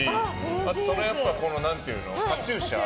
あとこのカチューシャ。